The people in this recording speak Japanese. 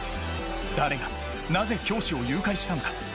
誰がなぜ教師を誘拐したのか。